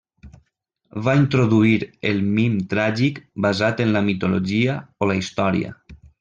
Va introduir el mim tràgic basat en la mitologia o la història.